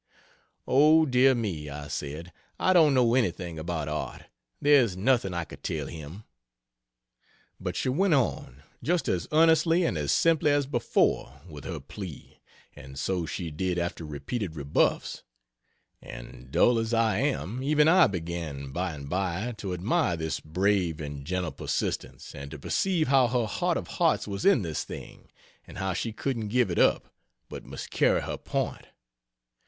"O, dear me," I said, "I don't know anything about art there's nothing I could tell him." But she went on, just as earnestly and as simply as before, with her plea and so she did after repeated rebuffs; and dull as I am, even I began by and by to admire this brave and gentle persistence, and to perceive how her heart of hearts was in this thing, and how she couldn't give it up, but must carry her point.